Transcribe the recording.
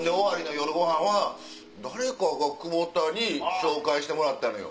夜ごはんは誰かが久保田に紹介してもらったのよ。